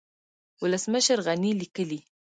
ولسمشر غني ليکلي